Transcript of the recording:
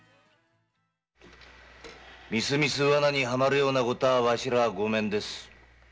みすみす罠にハマるようなことはわしらはごめんです。